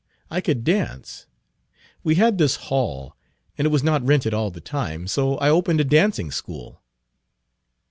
I could dance; we had this hall, and it was not rented all the time, so I opened a dancing school."